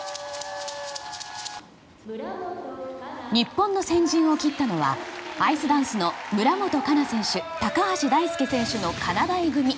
日本の先陣を切ったのはアイスダンスの村元哉中選手、高橋大輔選手のかなだい組。